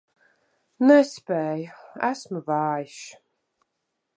Nespēju, esmu vājš.